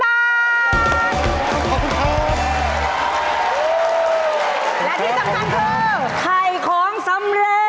และที่สำคัญคือไข่ของสำเร็จ